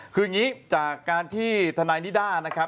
คืออย่างนี้จากการที่ทนายนิด้านะครับ